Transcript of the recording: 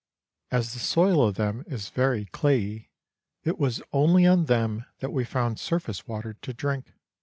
As the soil of them is very clayey, it was only on them that we found surface water to drink.